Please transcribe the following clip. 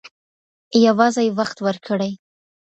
یوازې وخت ورکړئ.